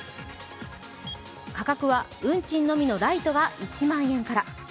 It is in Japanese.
価格は運賃のみのライトが１万円から。